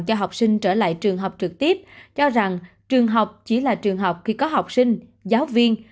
cho học sinh trở lại trường học trực tiếp cho rằng trường học chỉ là trường học khi có học sinh giáo viên